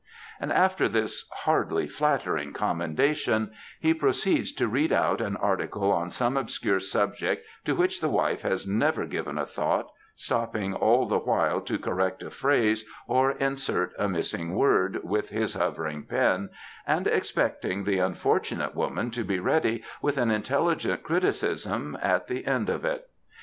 And after this hardly flat tering commendation, he proceeds to read out an article on some obscure subject to which the wife has never given a thought, stopping all the while to correct a phrase or insert a missing word with his hovering pen, and expecting the unfortunate woman to be ready with an intelligent criticism at the end of it.